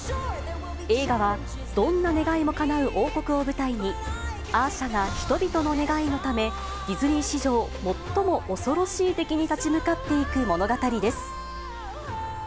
映画はどんな願いもかなう王国を舞台に、アーシャが人々の願いのため、ディズニー史上最も恐ろしい敵に立ち向かっていく物語です。